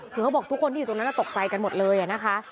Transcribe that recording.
คือเขาบอกทุกคนที่อยู่ตรงนั้นตกใจกันหมดเลยนะคะ